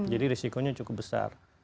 jadi resikonya cukup besar